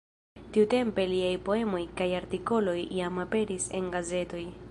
Tiutempe liaj poemoj kaj artikoloj jam aperis en gazetoj.